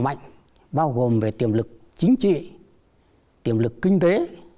một cái tiềm lực năng mạnh bao gồm về tiềm lực chính trị tiềm lực kinh tế